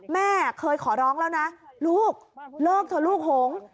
แม่เคยขอร้องแล้วนะลูกเลิกเถอะลูกหง